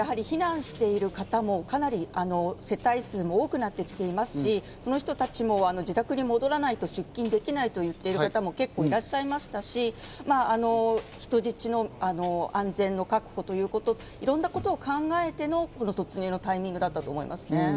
避難してる方も世帯数が多くなってきていますし、その人たちも自宅に戻らないと出勤できないと言っている方も結構いらっしゃいましたし、人質の安全の確保ということ、いろんなことを考えての突入のタイミングだったと思いますね。